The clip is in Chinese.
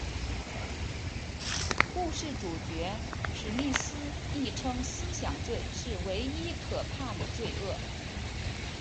故事主角史密斯亦称思想罪是唯一可怕的罪恶。